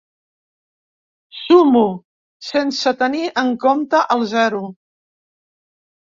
Sumo sense tenir en compte el zero.